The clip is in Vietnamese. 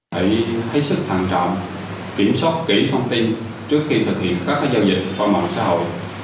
hãy thấy sức thẳng trọng kiểm soát kỹ thông tin trước khi thực hiện các giao dịch qua mạng xã hội